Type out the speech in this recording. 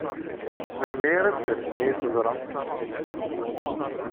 Melmi ad tasem ad iyi-teẓṛem?